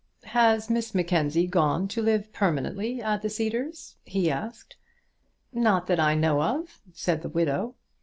"Has Miss Mackenzie gone to live permanently at the Cedars?" he asked. "Not that I know of," said the widow.